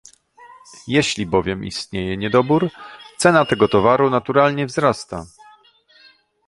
Jeśli bowiem istnieje niedobór, cena tego towaru naturalnie wzrasta